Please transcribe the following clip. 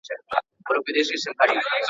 شاه شجاع یو بې واکه پاچا و.